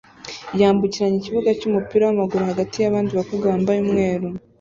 yambukiranya ikibuga cyumupira wamaguru hagati yabandi bakobwa bambaye umweru